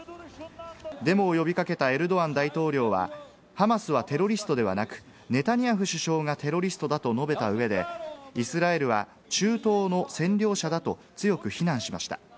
デモを呼び掛けたエルドアン大統領は、ハマスはテロリストではなく、ネタニヤフ首相がテロリストだと述べたうえで、イスラエルは中東の占領者だと強く非難しました。